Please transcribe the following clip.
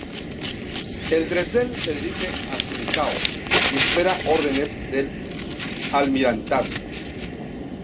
El "Dresden" se dirige a Tsingtao y espera órdenes del Almirantazgo.